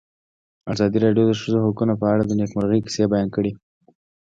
ازادي راډیو د د ښځو حقونه په اړه د نېکمرغۍ کیسې بیان کړې.